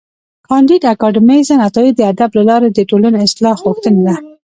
کانديد اکاډميسن عطایي د ادب له لارې د ټولني اصلاح غوښتې ده.